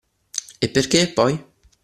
E perché, poi?